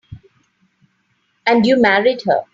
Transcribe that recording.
And you married her.